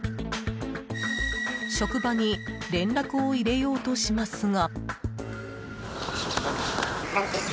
職場に連絡を入れようとしますが。